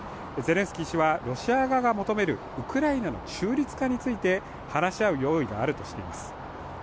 ゼレンスキー氏はロシア側が求めるウクライナの中立化について話し合う用意があるとしています。